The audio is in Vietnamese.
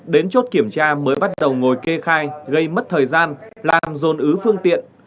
đến chốt kiểm tra mới bắt đầu ngồi kê khai gây mất thời gian làm dồn ứ phương tiện